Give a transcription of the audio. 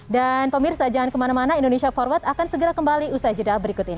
dan pemirsa jangan kemana mana indonesia forward akan segera kembali usai jeda berikut ini